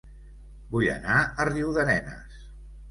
Vull anar a Riudarenes